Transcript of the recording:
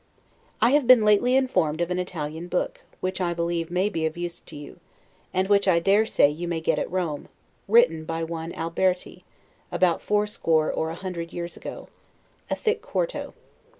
I have been lately informed of an Italian book, which I believe may be of use to you, and which, I dare say, you may get at Rome, written by one Alberti, about fourscore or a hundred years ago, a thick quarto.